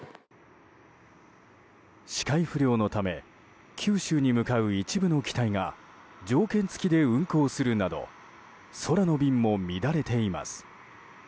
視界不良のため九州に向かう一部の機体が条件付きで運航するなど空の便も乱れています。